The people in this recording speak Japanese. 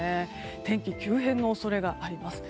天気急変の恐れがあります。